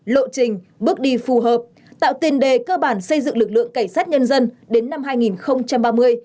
lộ trình bước đi phù hợp tạo tiền đề cơ bản xây dựng lực lượng cảnh sát nhân dân đến năm hai nghìn ba mươi